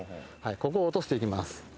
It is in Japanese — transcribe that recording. ここを落としていきます